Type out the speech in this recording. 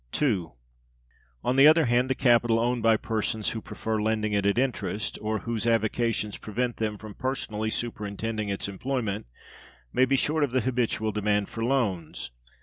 On the other hand, the capital owned by persons who prefer lending it at interest, or whose avocations prevent them from personally superintending its employment, may be short of the habitual demand for loans.